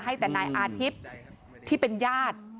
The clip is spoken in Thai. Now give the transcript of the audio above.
ให้แต่นายอาทิตย์ที่เป็นญาติ